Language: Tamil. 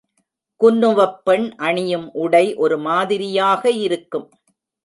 குன்னுவப் பெண் அணியும் உடை ஒரு மாதிரியாக இருக்கும்.